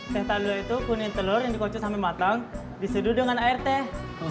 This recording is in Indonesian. teh talua itu kuning telur yang dikocok sampai matang diseduh dengan air teh